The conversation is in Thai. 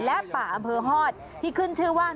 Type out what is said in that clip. และป่าอำเภอฮอตที่ขึ้นชื่อว่า